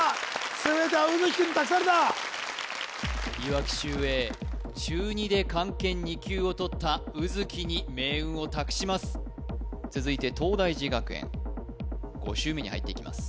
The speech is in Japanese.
全ては卯月くんに託されたいわき秀英中２で漢検２級を取った卯月に命運を託します続いて東大寺学園５周目に入っていきます